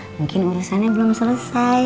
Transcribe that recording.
mungkin urusannya belum selesai